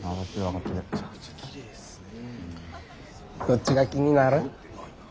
どっちが気になる？